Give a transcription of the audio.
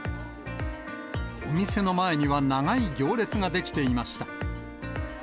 お店の前には長い行列が出来ていました。